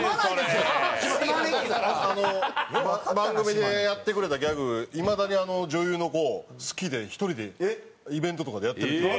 番組でやってくれたギャグいまだにあの女優の子好きで１人でイベントとかでやってるって。